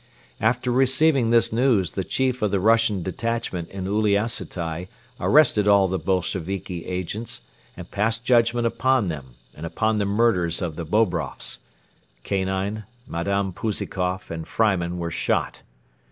After receiving this news the chief of the Russian detachment in Uliassutai arrested all the Bolsheviki agents and passed judgment upon them and upon the murderers of the Bobroffs. Kanine, Madame Pouzikoff and Freimann were shot.